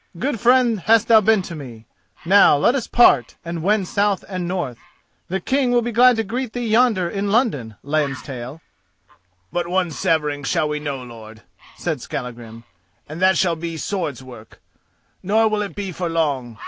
Good friend hast thou been to me; now let us part and wend south and north. The King will be glad to greet thee yonder in London, Lambstail." "But one severing shall we know, lord," said Skallagrim, "and that shall be sword's work, nor will it be for long.